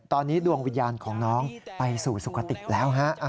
ตอนนี้ดวงวิญญาณของน้องไปสู่สุขติแล้วฮะ